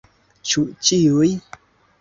Ĉu ĉiuj?